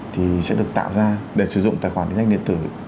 thì sẽ được tạo ra để sử dụng tài khoản định danh điện tử